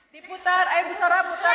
diputar ayo bussara putar